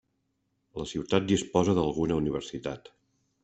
La ciutat disposa d'alguna universitat.